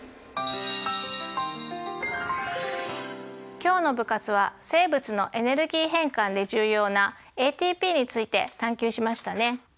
今日の部活は生物のエネルギー変換で重要なＡＴＰについて探究しましたね。